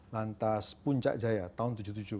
lantas puncak jaya tahun tujuh puluh tujuh